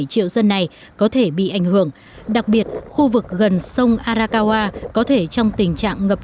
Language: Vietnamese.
hai triệu dân này có thể bị ảnh hưởng đặc biệt khu vực gần sông arakawa có thể trong tình trạng ngập